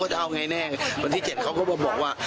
แฮปปี้เนอะนะคะ